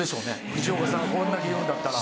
藤岡さんがこれだけ言うんだったら。